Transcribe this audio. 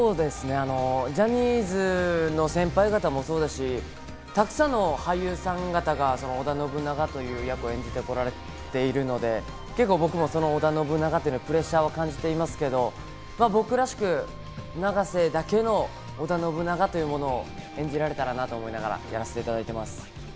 ジャニーズの先輩方もそうですし、たくさんの俳優さん方が織田信長という役を演じてこられているので、結構、僕も織田信長という役にプレッシャーを感じていますけれども、僕らしく永瀬だけの織田信長というものを演じられたらなと思ってやらせていただいております。